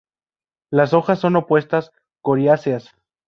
Las hojas son opuestas, coriáceas.